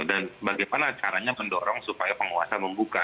dan bagaimana caranya mendorong supaya penguasa membuka